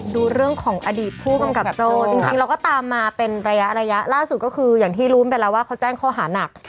ดูเรื่องของอดีตผู้กำกับโจ้จริงเราก็ตามมาเป็นระยะระยะล่าสุดก็คืออย่างที่รู้ไปแล้วว่าเขาแจ้งข้อหานัก